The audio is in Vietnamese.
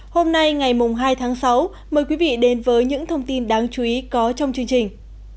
hôm nay ngày hai tháng sáu mời quý vị đến với những thông tin đáng chú ý có trong chương trình